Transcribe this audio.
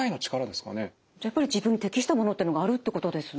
じゃあやっぱり自分に適したものってのがあるってことですね。